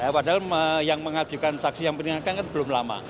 padahal yang mengajukan saksi yang meninggalkan kan belum lama